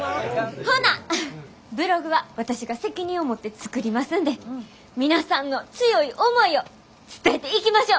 ほなブログは私が責任を持って作りますんで皆さんの強い思いを伝えていきましょう！